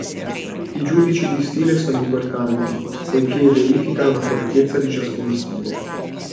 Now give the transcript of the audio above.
I giudici di stile sono importanti poiché verificano la correttezza di ciascuno stile.